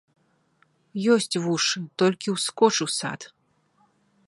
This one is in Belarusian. Ёсць вушы, толькі ўскоч у сад.